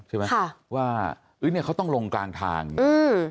ใช่ไหมค่ะว่าเอ้ยเนี้ยเขาต้องลงกลางทางอืม